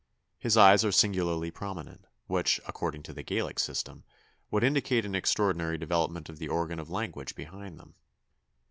His eyes are singularly prominent, which, according to the Gallic system, would indicate an extraordinary development of the organ of language behind them.